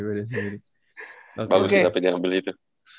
bagus sih tapi dia ambil itu